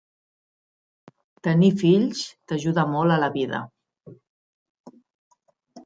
Tenir fills t'ajuda molt a la vida.